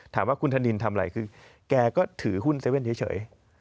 ถามว่าคุณธนินทำอะไรคือแกก็ถือหุ้น๗๑๑เฉย